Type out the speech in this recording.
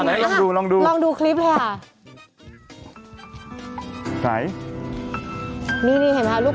มันจะได้เหรอตอนนี้ลองดู